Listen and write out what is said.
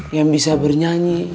yang bisa bernyanyi